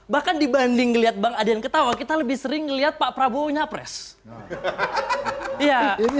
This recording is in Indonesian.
bahkan dibanding lihat bang adian ketawa kita lebih sering lihat pak prabowo nyapres